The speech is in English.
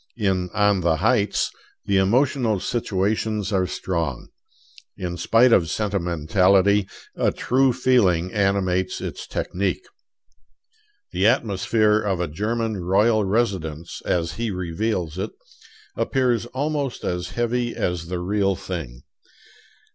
In 'On the Heights' the emotional situations are strong. In spite of sentimentality, a true feeling animates its technique. The atmosphere of a German royal residence, as he reveals it, appears almost as heavy as the real thing.